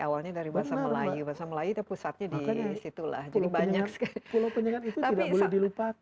awalnya dari bahasa melayu bahasa melayu itu pusatnya di situlah jadi banyak sekali pulau penyenggan itu tidak boleh dilupakan